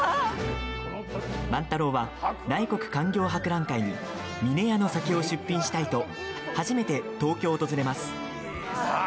万太郎は、内国勧業博覧会に峰屋の酒を出品したいと初めて東京を訪れます。